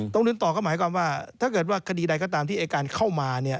หนึ่งต่อก็หมายความว่าถ้าเกิดว่าคดีใดก็ตามที่อายการเข้ามา